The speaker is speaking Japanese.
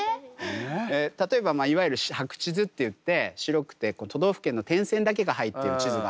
例えばいわゆる白地図っていって白くて都道府県の点線だけが入ってる地図があるんですね。